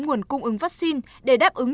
nguồn cung ứng vaccine để đáp ứng